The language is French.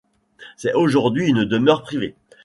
C'est aujourd’hui une demeure privée.